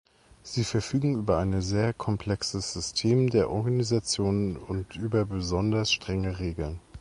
Sie verfügen über eine sehr komplexes System der Organisation und über besonders strenge Regeln.